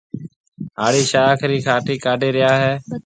هاڙِي شاخ رِي کاٽِي ڪَڍي ريا هيَ۔